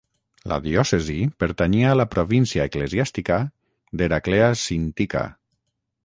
La diòcesi pertanyia a la província eclesiàstica d'Heraclea Sintica.